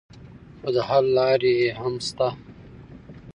خو د حل لارې یې هم شته.